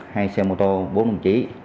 hai xe mô tô bốn đồng chí